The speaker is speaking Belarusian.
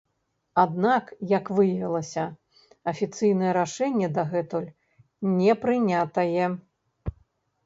Аднак, як выявілася, афіцыйнае рашэнне дагэтуль не прынятае.